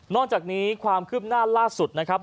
จากนี้ความคืบหน้าล่าสุดนะครับ